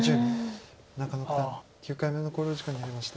中野九段９回目の考慮時間に入りました。